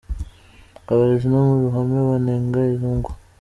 Abarezi no mu ruhame banenga izo ngwa.